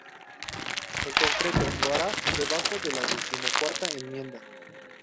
En concreto, lo hará debajo de la Decimocuarta_Enmienda.